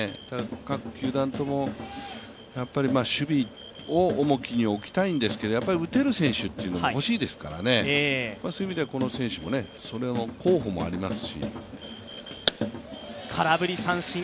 各球団とも守備を重きに置きたいんですけれども、打てる選手というのも欲しいですからね、そういう意味ではこの選手もその候補もありますし。